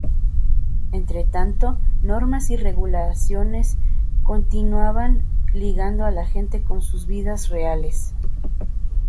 Entretanto, normas y regulaciones continuaban ligando a la gente con sus vidas reales.